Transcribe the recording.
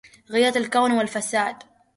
غيره الكون والفساد